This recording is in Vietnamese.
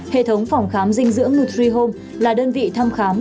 hệ thống phòng khám dinh dưỡng nutrihome là đơn vị thăm khám